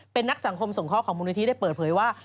เป็นนักสังคมสงเคราะห์ของมูลนิธิได้เปิดเผยว่า